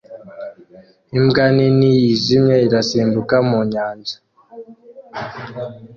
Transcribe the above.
Imbwa nini yijimye irasimbuka mu nyanja